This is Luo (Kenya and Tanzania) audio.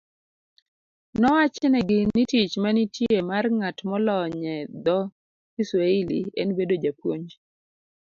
Nowachnigi ni tich manitie mar ng'at molonye dho Kiswahili en bedo japuonj